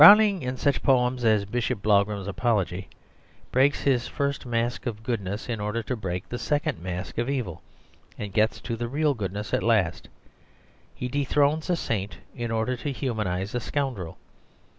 Browning, in such poems as "Bishop Blougram's Apology," breaks this first mask of goodness in order to break the second mask of evil, and gets to the real goodness at last; he dethrones a saint in order to humanise a scoundrel.